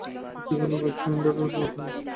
পত্রিকার লোক আসবে ইন্টারড়ু নেওয়ার জন্যে।